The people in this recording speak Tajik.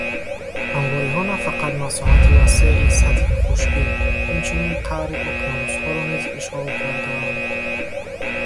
Ҳамвориҳо на фақат масоҳати васеи сатҳи хушкӣ, инчунин қаъри уқёнусҳоро низ ишғол кардаанд.